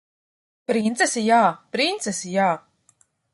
Princesi jā! Princesi jā!